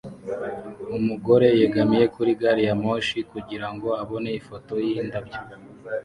Umugore yegamiye kuri gari ya moshi kugirango abone ifoto yindabyo